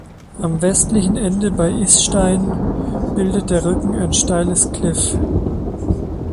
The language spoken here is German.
Am westlichen Ende bei Istein bildet der Rücken ein steiles Kliff.